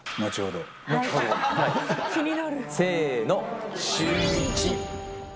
せーの、シューイチ。